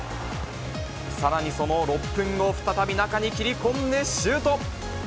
さらにその６分後、再び中に切り込んで、シュート。